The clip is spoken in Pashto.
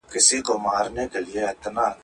مقطعات حروف هم دغسي حروف دي.